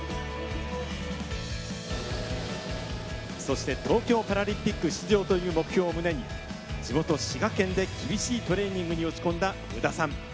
そして東京パラリンピック出場という目標を胸に地元・滋賀県で厳しいトレーニングに打ち込んだ宇田さん。